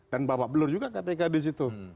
dan bawa belur juga kpk di situ